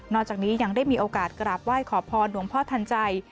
จากนี้ยังได้มีโอกาสกราบไหว้ขอพรหลวงพ่อทันใจ